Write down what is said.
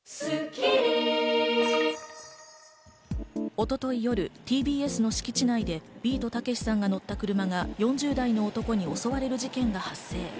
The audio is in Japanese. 一昨日夜、ＴＢＳの敷地内でビートたけしさんが乗った車が４０代の男に襲われる事件が発生。